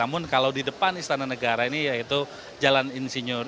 namun kalau di depan istana negara ini yaitu jalan insinyur